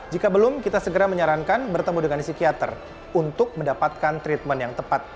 jika belum kita segera menyarankan bertemu dengan psikiater untuk mendapatkan treatment yang tepat